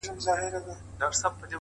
بریا له چمتووالي سره مینه لري؛